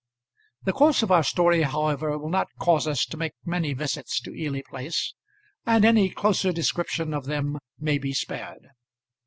The course of our story, however, will not cause us to make many visits to Ely Place, and any closer description of them may be spared.